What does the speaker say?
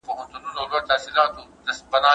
موږ باید د پدیدو علتونه درک کړو.